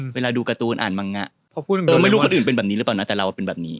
เวลาดูการ์ตูนอ่านมังไม่รู้คนอื่นเป็นแบบนี้หรือเปล่านะแต่เราเป็นแบบนี้